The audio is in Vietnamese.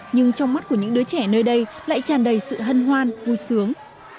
nhưng trong mắt của những đứa trẻ nơi đây lại tràn đầy sự hân hoan vui sướng